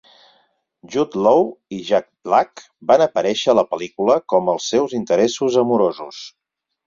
Jude Law i Jack Black van aparèixer a la pel·lícula com els seus interessos amorosos.